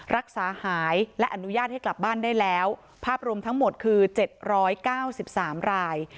รักษาหายและอนุญาตให้กลับบ้านได้แล้วภาพรวมทั้งหมดคือ๗๙๓ราย